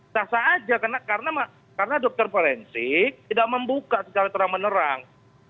sah sah aja karena dokter forensik tidak membuka secara terang menerang